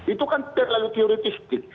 itu kan terlalu teoretistik